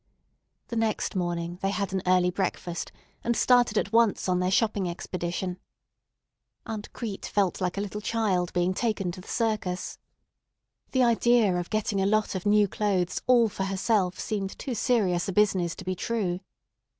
The next morning they had an early breakfast, and started at once on their shopping expedition. Aunt Crete felt like a little child being taken to the circus. The idea of getting a lot of new clothes all for herself seemed too serious a business to be true.